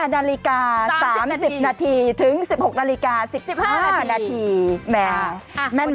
นาฬิกา๓๐นาทีถึง๑๖นาฬิกา๑๕นาทีแม่น